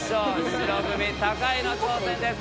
白組高井の挑戦です。